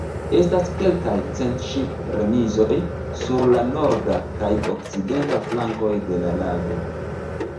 Estas kelkaj cent ŝip-remizoj sur la norda kaj okcidenta flankoj de la lago.